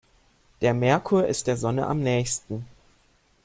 Der Merkur ist der Sonne am nähesten.